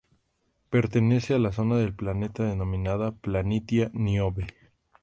Pertenece a la zona del planeta denominada Planitia Niobe.